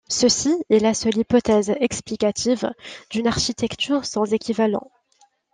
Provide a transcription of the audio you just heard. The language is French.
Ceci est la seule hypothèse explicative d'une architecture sans équivalent.